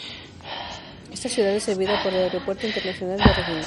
Esta ciudad es servida por el Aeropuerto Internacional de Regina.